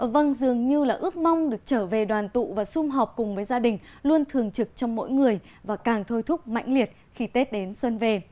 vâng dường như là ước mong được trở về đoàn tụ và xung họp cùng với gia đình luôn thường trực trong mỗi người và càng thôi thúc mạnh liệt khi tết đến xuân về